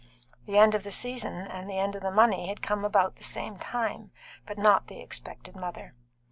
The end of the season and the end of the money had come about the same time, but not the expected mother.